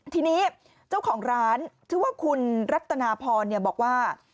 ทีนี้เจ้าของร้านชื่อว่าคุณรัตนาพรบอกว่า